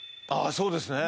そうですね